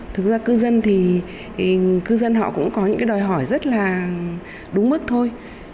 thực ra cư dân thì cư dân họ cũng có những cái đòi hỏi rất là đúng mức thôi